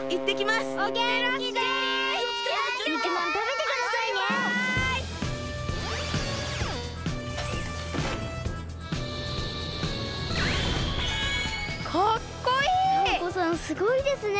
すごいですね！